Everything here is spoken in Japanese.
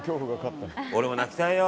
俺も泣きたいよ。